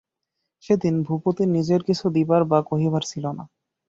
সেদিন ভূপতির নিজের কিছু দিবার বা কহিবার ছিল না।